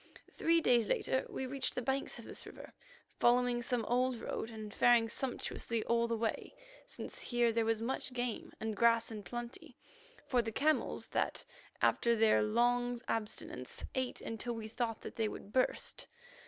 Three days later we reached the banks of this river, following some old road, and faring sumptuously all the way, since here there was much game and grass in plenty for the camels that, after their long abstinence, ate until we thought that they would burst.